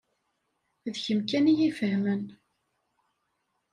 D kemm kan i y-ifehmen.